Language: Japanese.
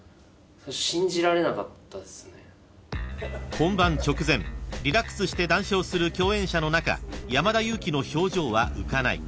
［本番直前リラックスして談笑する共演者の中山田裕貴の表情は浮かない］